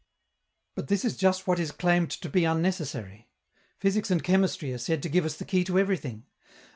But this is just what is claimed to be unnecessary. Physics and chemistry are said to give us the key to everything.